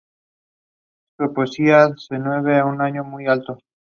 Su poesía se mueve a un nivel muy alto.